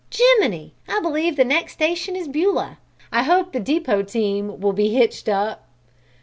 Jiminy! I believe the next station is Beulah. I hope the depot team will be hitched up."